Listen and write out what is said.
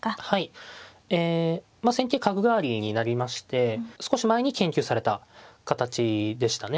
え戦型角換わりになりまして少し前に研究された形でしたね。